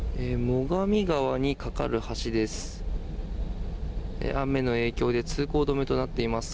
最上川に架かる橋です。